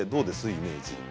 イメージ。